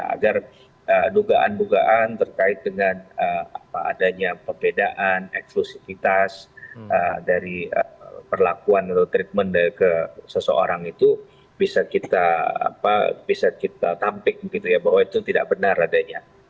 agar dugaan dugaan terkait dengan adanya perbedaan eksklusivitas dari perlakuan atau treatment ke seseorang itu bisa kita tampik bahwa itu tidak benar adanya